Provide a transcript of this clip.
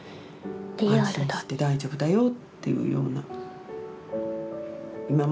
安心して大丈夫だよっていうような。